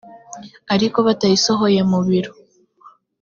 ariko batayisohoye mu biro